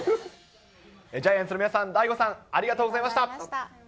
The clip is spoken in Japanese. ジャイアンツの皆さん、ＤＡＩＧＯさん、ありがとうございました。